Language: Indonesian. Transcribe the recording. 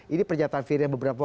ini pernyataan virian beberapa waktu